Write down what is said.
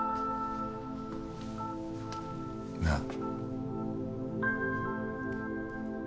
なあ。